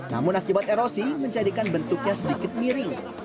namun akibat erosi menjadikan bentuknya sedikit miring